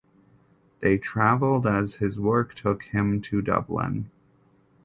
They travelled as his work took him to Dublin.